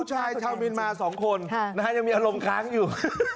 ชายชาวเมียนมา๒คนยังมีอารมณ์ค้างอยู่